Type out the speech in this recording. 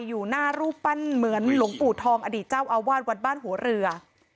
อยู่หน้ารูปปั้นเหมือนหลวงปู่ทองอดีตเจ้าอาวาสวัดบ้านหัวเรือ